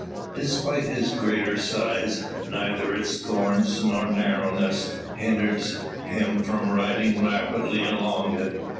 Despite his greater size, neither its thorns, nor narrowness, hinders him from riding rapidly along it.